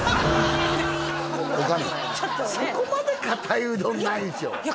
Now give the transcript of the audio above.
そこまでかたいうどんないでしょいや